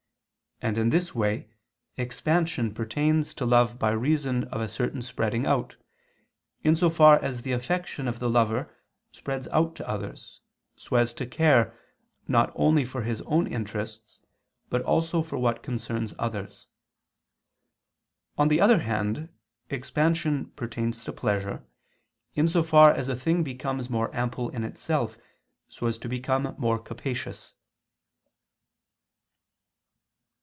And in this way expansion pertains to love by reason of a certain spreading out, in so far as the affection of the lover spreads out to others, so as to care, not only for his own interests, but also for what concerns others. On the other hand expansion pertains to pleasure, in so far as a thing becomes more ample in itself so as to become more capacious.